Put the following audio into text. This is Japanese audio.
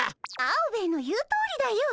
アオベエの言うとおりだよ。